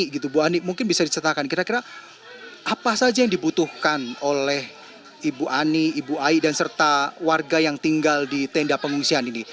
ibu ani mungkin bisa diceritakan kira kira apa saja yang dibutuhkan oleh ibu ani ibu ai dan serta warga yang tinggal di tenda pengungsian ini